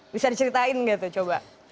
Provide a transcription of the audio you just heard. bisa diceritain nggak tuh coba